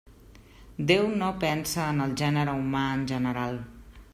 Déu no pensa en el gènere humà en general.